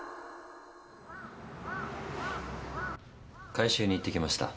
回収に行ってきました。